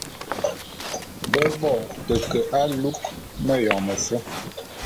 Be bo te ke alu'u meyone mefe.